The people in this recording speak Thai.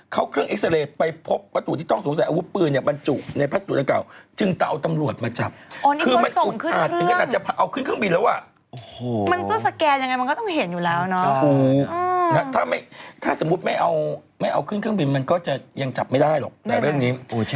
ถ้าสมมุติไม่เอาเครื่องเครื่องบินมันก็จะยังจับไม่ได้หรอก